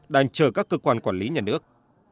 đành chờ các cơ quan quản lý nhà nước